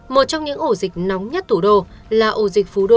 một trong những ổ dịch nóng nhất thủ đô là ổ dịch phong tỏa